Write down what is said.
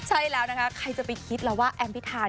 ใช่แล้วนะคะใครจะไปคิดแล้วว่าแอมพิธา